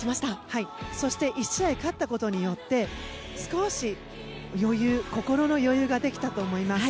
そして１試合勝ったことによって少し心の余裕ができたと思います。